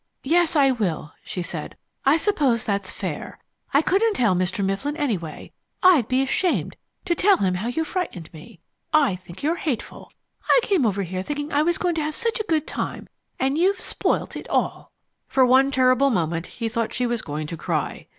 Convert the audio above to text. "Yes, I will," she said. "I suppose that's fair. I couldn't tell Mr. Mifflin, anyway. I'd be ashamed to tell him how you frightened me. I think you're hateful. I came over here thinking I was going to have such a good time, and you've spoilt it all!" For one terrible moment he thought she was going to cry.